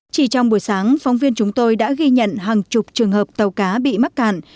chỉ trong buổi sáng phóng viên chúng tôi đã ghi nhận hàng chục trường hợp tàu cá bị mắc cạn